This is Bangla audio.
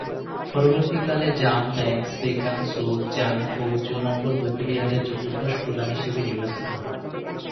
পরবর্তীকালে 'জাম-দ্ব্যাংস-দ্কোন-ম্ছোগ-ব্জাং-পো জো-নম্বর বৌদ্ধবিহারের চতুর্দশ প্রধান হিসেবে নির্বাচিত হন।